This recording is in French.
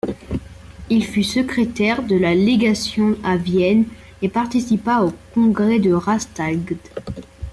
Il fut secrétaire de la légation à Vienne et participa au congrès de Rastadt.